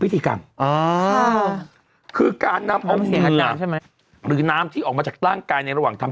พิธีกรรมอ๋อคือการนำออกมือหรือน้ำที่ออกมาจากร่างกายในระหว่างทำ